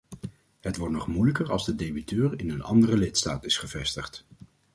Het wordt nog moeilijker als de debiteur in een andere lidstaat is gevestigd.